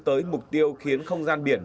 tới mục tiêu khiến không gian biển